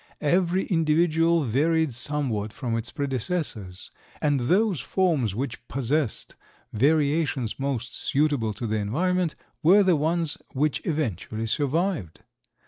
Every individual varied somewhat from its predecessors, and those forms which possessed variations most suitable to the environment were the ones which eventually survived.